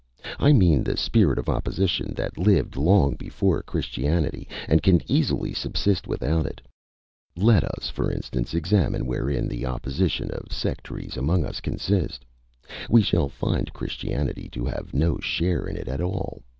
I mean the spirit of opposition, that lived long before Christianity, and can easily subsist without it. Let us, for instance, examine wherein the opposition of sectaries among us consists. We shall find Christianity to have no share in it at all.